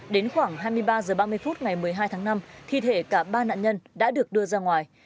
đến khoảng hai mươi ba h ba mươi phút ngày một mươi hai tháng năm thi thể cả ba nạn nhân đã được đưa ra ngoài